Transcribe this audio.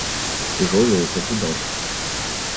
Тяжелые, как удар.